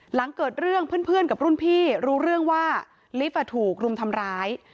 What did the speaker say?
หลังเกิดเรื่องเพื่อนกับรุ่นพี่รู้เรื่องว่าลิฟต์ถูกรุมทำร้าย